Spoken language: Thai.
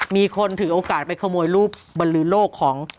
มีคนถือโอกาสไปขโมยรูปบรรลือโลกของ